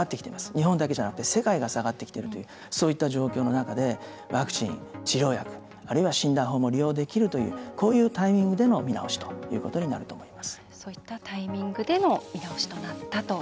日本だけじゃなくて世界が下がってきているという状況の中でワクチン、治療薬あるいは診断法も利用できるというタイミングの見直しになると思います。